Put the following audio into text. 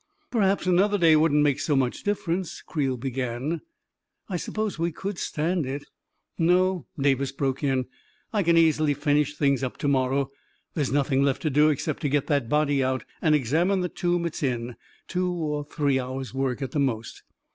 11 Perhaps another day wouldn't make so much difference," Creel began ;" I suppose we could stand it "" No," Davis broke in ; "I can easily finish things up to morrow. There is nothing left to do except to get that body out, and examine the tomb it is in — two or three hours* work at most."